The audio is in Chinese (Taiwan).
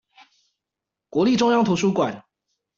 國立中央圖書館